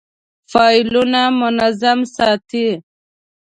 فایلونه منظم ساتئ؟